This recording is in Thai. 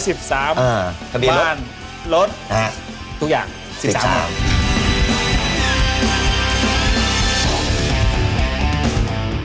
ทะเบียนรถรถทุกอย่าง๑๓หมด